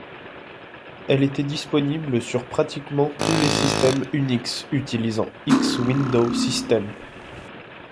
Elle était disponible sur pratiquement tous les systèmes Unix utilisant X Window System.